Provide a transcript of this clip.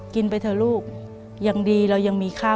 เปลี่ยนเพลงเพลงเก่งของคุณและข้ามผิดได้๑คำ